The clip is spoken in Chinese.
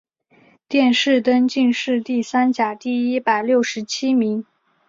殿试登进士第三甲第一百六十七名。